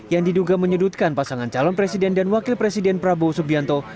yang diduga menyudutkan pasangan calon presiden dan wakil presiden prabowo subianto